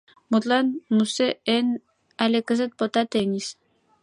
Мутлан, Муссе Энн але кызыт Пота Тынис.